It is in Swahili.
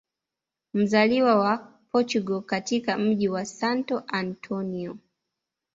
Mzaliwa wa portugal katika mji wa Santo Antonio